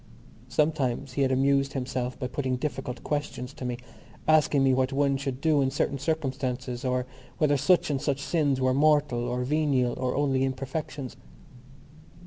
Sometimes he had amused himself by putting difficult questions to me, asking me what one should do in certain circumstances or whether such and such sins were mortal or venial or only imperfections.